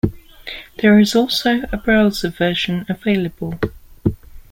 There is also a browser version available.